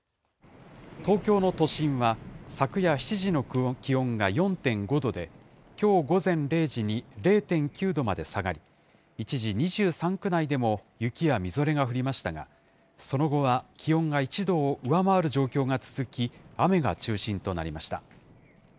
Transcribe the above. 東京の都心は、昨夜７時の気温が４．５度で、きょう午前０時に０．９度まで下がり、一時、２３区内でも雪やみぞれが降りましたが、その後は気温が１度を上回る状況が続き、雨が中心となりました。